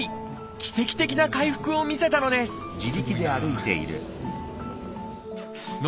奇跡的な回復を見せたのですすごいなあ。